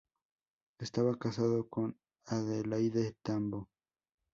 Estaba casado con Adelaide Tambo.